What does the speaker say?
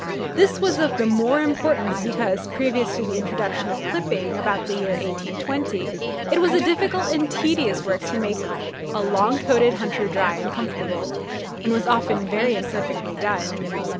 This was of the more importance, because, previous to the introduction of clipping, about the year 1820, it was a difficult and tedious work to make a long coated hunter dry and comfortable, and was often very imperfectly done.